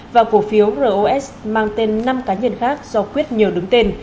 và cổ phiếu ros mang tên năm cá nhân khác do quyết nhờ đứng tên